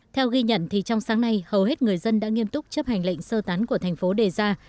theo ghi nhận thì trong sáng nay hầu hết người dân đã nghiêm túc chấp hành lệnh sơ tán của thành phố đề ra